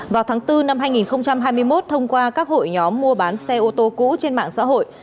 vào tháng bốn năm hai nghìn hai mươi một thông qua các hội nhóm mua bán xe ô tô cũ trên mạng xã hội